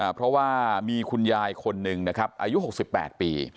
เพราะว่ามีคุณยายคนนึงนะครับอายุหกสิบแปดปี